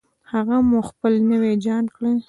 هغه مو هم نوي جان کړې.